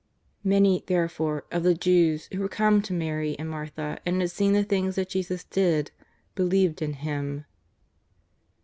Many, therefore, of the Jews who were come to Mary and Martha, and had seen the things that Jesus did, be lieved in Him.